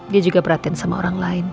dia juga perhatian sama orang lain